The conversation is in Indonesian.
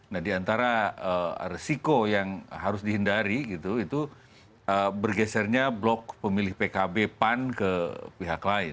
nah diantara resiko yang harus dihindari gitu itu bergesernya blok pemilih pkb pan ke pihak lain